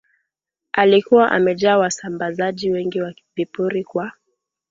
alikuwa amejaa wasambazaji wengi wa vipuri kwa